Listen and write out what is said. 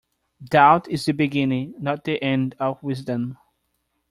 Doubt is the beginning, not the end of wisdom